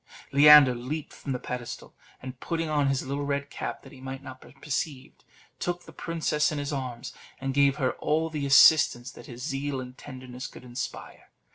Leander leaped from the pedestal, and putting on his little red cap, that he might not be perceived, took the princess in his arms, and gave her all the assistance that his zeal and tenderness could inspire.